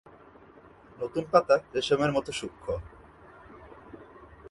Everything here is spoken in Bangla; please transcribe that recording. নতুন পাতা রেশমের মতো সূক্ষ্ম।